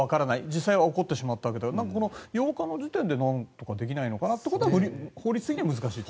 実際起こってしまったわけで８日の時点で何かできないのかなっていうのは法律的には難しい？